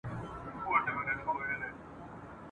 انګرېزان له درو خواوو څخه را ګير سوي ول.